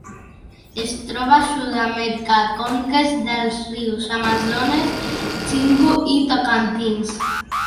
Es troba a Sud-amèrica: conques dels rius Amazones, Xingu i Tocantins.